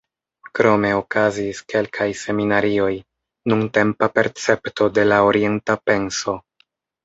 Krome okazis kelkaj seminarioj "Nuntempa percepto de la orienta penso".